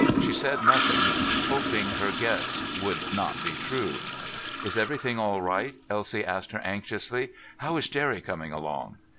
She said nothing, hoping her guess would not be true. "Is everything all right?" Elsie asked her anxiously. "How is Jerry coming along?"